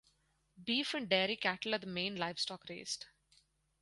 Beef and dairy cattle are the main livestock raised.